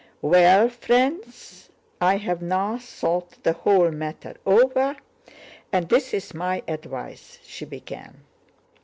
"Well, friends, I have now thought the whole matter over and this is my advice," she began.